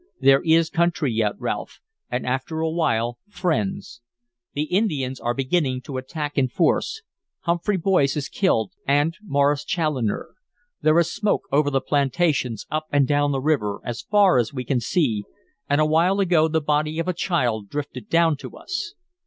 There is country yet, Ralph, and after a while, friends. The Indians are beginning to attack in force. Humphry Boyse is killed, and Morris Chaloner. There is smoke over the plantations up and down the river, as far as we can see, and awhile ago the body of a child drifted down to us."